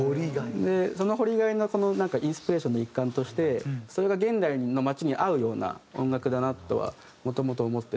その掘りがいのインスピレーションの一環としてそれが現代の街に合うような音楽だなとはもともと思ってて。